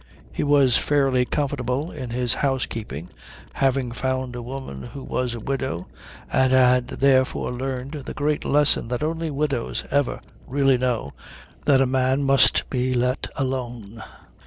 He was fairly comfortable in his housekeeping, having found a woman who was a widow and had therefore learned the great lesson that only widows ever really know, that a man must be let alone.